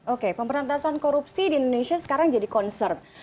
oke pemberantasan korupsi di indonesia sekarang jadi concern